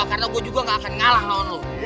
karena gue juga gak akan ngalah lawan lo